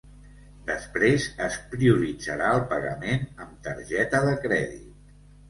Després, es prioritzarà el pagament amb targeta de crèdit.